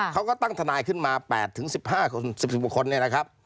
เขาก็ตั้งทนายขึ้นมา๘๑๕๑๖คนนะครับ